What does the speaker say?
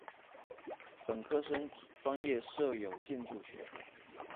本科生专业设有建筑学。